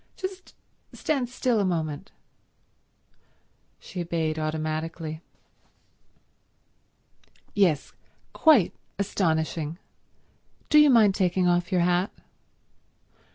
"Just stand still a moment—" She obeyed automatically. "Yes—quite astonishing. Do you mind taking off your hat?"